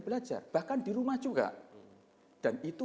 belajar bahkan di rumah juga dan itu